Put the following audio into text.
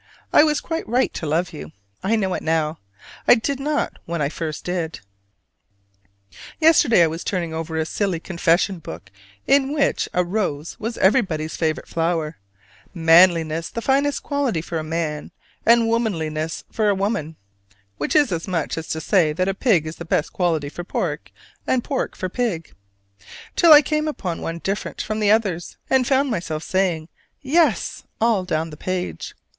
I was quite right to love you: I know it now, I did not when I first did. Yesterday I was turning over a silly "confession book" in which a rose was everybody's favorite flower, manliness the finest quality for a man, and womanliness for a woman (which is as much as to say that pig is the best quality for pork, and pork for pig): till I came upon one different from the others, and found myself saying "Yes" all down the page.